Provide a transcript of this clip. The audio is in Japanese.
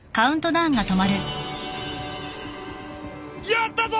やったぞ！